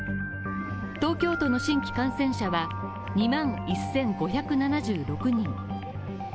東京都の新規感染者は２万１５７６人。